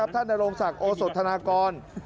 ท่านนโรงศักดิ์โอสถานกร